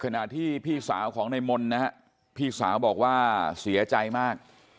ขณะที่พี่สาวของในมนต์นะฮะพี่สาวบอกว่าเสียใจมาก